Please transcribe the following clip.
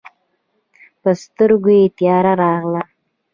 پر سترګو يې تياره راغله.